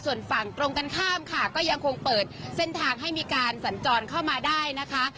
ส่วนฝั่งตรงกันข้ามค่ะก็ยังคงเปิดเส้นทางให้มีการสัญจรเข้ามาได้นะคะ